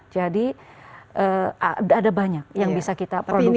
jadi ada banyak yang bisa kita produksi